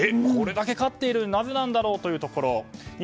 これだけ勝っているのになぜなんだろうというところ。